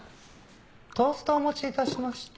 トーストをお持ち致しました。